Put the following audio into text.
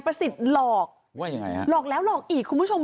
ประสิทธิ์หลอกว่ายังไงฮะหลอกแล้วหลอกอีกคุณผู้ชม